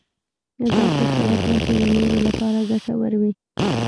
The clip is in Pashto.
داسې څه وکړه چې د نورو لپاره ګټور وي .